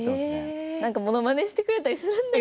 ものまねしてくれたりするんですよ。